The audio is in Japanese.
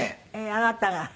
あなたが。